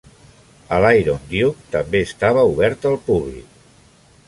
El "Iron Duke" també estava obert al públic.